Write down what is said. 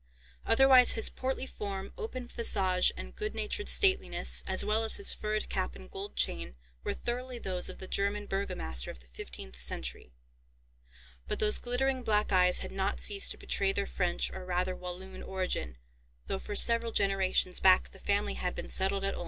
Otherwise, his portly form, open visage, and good natured stateliness, as well as his furred cap and gold chain, were thoroughly those of the German burgomaster of the fifteenth century; but those glittering black eyes had not ceased to betray their French, or rather Walloon, origin, though for several generations back the family had been settled at Ulm.